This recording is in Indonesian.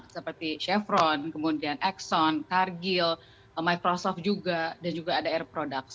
seperti chevron kemudian exxon cargil microsoft juga dan juga ada air products